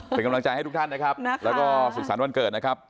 เป็นกำลังใจให้ทุกท่านนะครับแล้วก็สุขสรรค์วันเกิดนะครับ